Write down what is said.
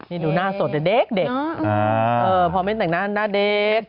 นี่ดูหน้าสดเด็กพอไม่แต่งหน้าหน้าเด็ก